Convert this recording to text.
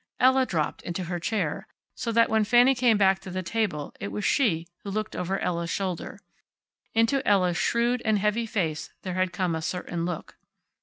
Ella dropped into her chair, so that when Fanny came back to the table it was she who looked over Ella's shoulder. Into Ella's shrewd and heavy face there had come a certain look.